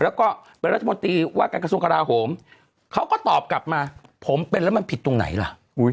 แล้วก็เป็นรัฐมนตรีว่าการกระทรวงกราโหมเขาก็ตอบกลับมาผมเป็นแล้วมันผิดตรงไหนล่ะ